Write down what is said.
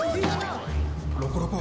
ロコロコ